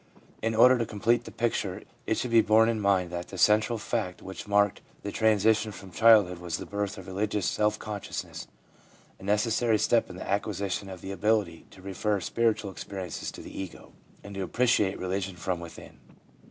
In order to complete the picture, it should be borne in mind that the central fact which marked the tran sition from childhood was the birth of religious self con sciousness, a necessary step in the acquisition of the ability to refer spiritual experiences to the ego, and to appreciate religion from within.